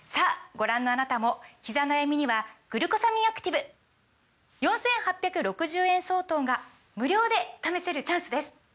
ご覧のあなたもひざ悩みには「グルコサミンアクティブ」４，８６０円相当が無料で試せるチャンスです！